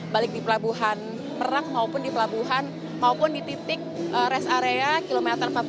balik di pelabuhan merak maupun di pelabuhan maupun di titik rest area kilometer empat puluh